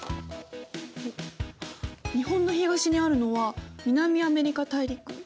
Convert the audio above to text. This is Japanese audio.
日本の東にあるのは南アメリカ大陸。